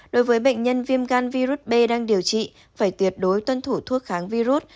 đối với bệnh nhân viêm gan virus b đang điều trị phải tuyệt đối tuân thủ thuốc kháng virus